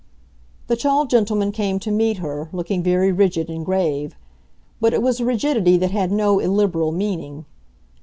The tall gentleman came to meet her, looking very rigid and grave. But it was a rigidity that had no illiberal meaning.